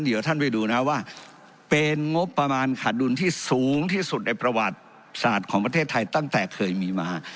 เดี๋ยวท่านไปดูนะว่าเป็นงบประมาณขาดดุลที่สูงที่สุดในประวัติศาสตร์ของประเทศไทยตั้งแต่เคยมีมา